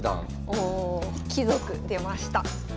お貴族出ました。